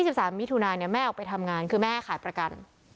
๒๓วิทยุนายนเนี่ยแม่ออกไปทำงานคือแม่ขายประกัน